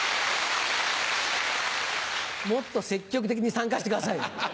もっと積極的に参加してくださいよ。